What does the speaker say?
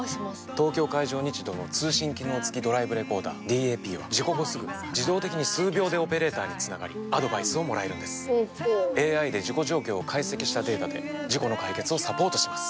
東京海上日動の通信機能付きドライブレコーダーＤＡＰは事故後すぐ自動的に数秒でオペレーターにつながりアドバイスをもらえるんですＡＩで事故状況を解析したデータで事故の解決をサポートします